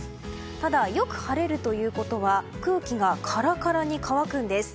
ただ、よく晴れるということは空気がカラカラに乾くんです。